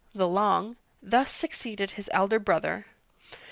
the Long, thus succeeded his elder brother.